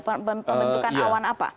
pembentukan awan apa